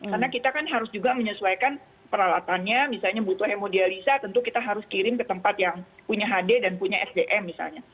karena kita kan harus juga menyesuaikan peralatannya misalnya butuh hemodialisa tentu kita harus kirim ke tempat yang punya hd dan punya sdm misalnya